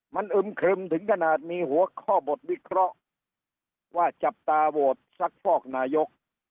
มันอึมครึมถึงขนาดมีหัวข้อบทวิเคราะห์ว่าจับตาโหวตซักฟอกนายก